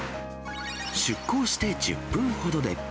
出航して１０分ほどで。